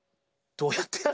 どうやってやる？